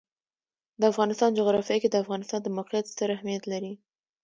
د افغانستان جغرافیه کې د افغانستان د موقعیت ستر اهمیت لري.